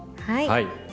はい。